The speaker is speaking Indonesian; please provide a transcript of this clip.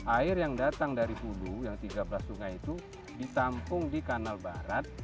air yang datang dari hulu yang tiga belas sungai itu ditampung di kanal barat